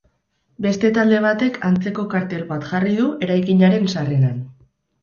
Beste talde batek antzeko kartel bat jarri du eraikinaren sarreran.